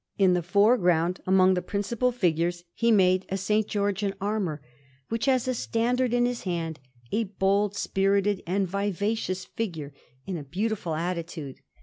In the foreground, among the principal figures, he made a S. George in armour, who has a standard in his hand, a bold, spirited, and vivacious figure, in a beautiful attitude.